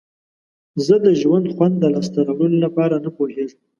زه د ژوند خوند د لاسته راوړلو لپاره نه پوهیږم.